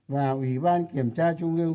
và ủy ban kiểm tra trung ương